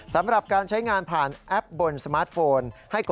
สำหรับการใช้งานผ่านแอปบนสมาร์ทโฟน